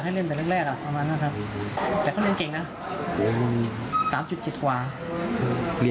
ปี๑เพราะชอบปี๑